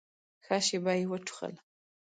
ښه شېبه يې وټوخل.